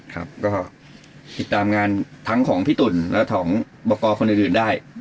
ครับก็ติดตามงานทั้งของพี่ตุ๋นและของบกคนอื่นได้